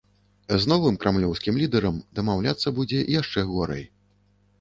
З новым крамлёўскім лідэрам дамаўляцца будзе яшчэ горай.